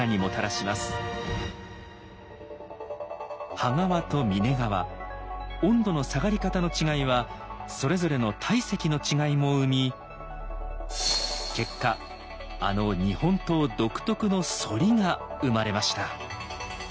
刃側と峰側温度の下がり方の違いはそれぞれの体積の違いも生み結果あの日本刀独特の反りが生まれました。